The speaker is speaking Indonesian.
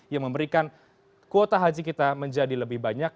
yang memberikan kuota haji kita menjadi lebih banyak